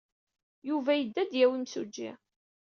Yuba yedda ad d-yawi imsujji.